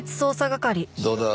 どうだ？